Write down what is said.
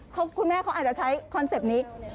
คุณแม่เขาอาจจะใช้คอนเซ็ปต์นี้